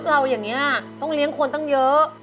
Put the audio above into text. เราอย่างนี้ต้องเลี้ยงคนตั้งเยอะ